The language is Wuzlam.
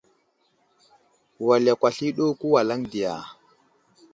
Wal yakw asliyo ɗu kəwalaŋ diya !